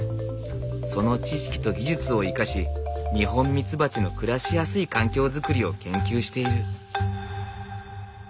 その知識と技術を生かしニホンミツバチの暮らしやすい環境づくりを研究している。